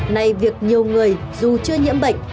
này việc nhiều người dù chưa nhiễm bệnh